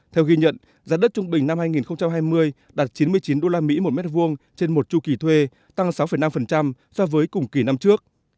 theo ghi nhận giá đất trung bình năm hai nghìn hai mươi đạt chín mươi chín usd một m hai trên một chu kỳ thuê tăng sáu năm so với cùng kỳ năm trước